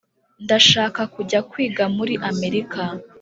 ndashaka kujya kwiga muri amerika